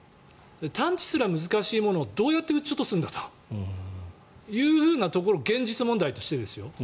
探知すら難しいものをどうやって撃ち落とすんだというところ現実問題としてですよ。